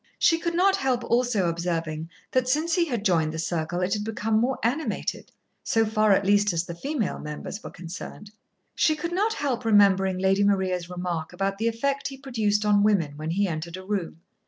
She could not help also observing that since he had joined the circle it had become more animated, so far at least as the female members were concerned. She could not help remembering Lady Maria's remark about the effect he produced on women when he entered a room.